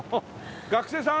学生さん？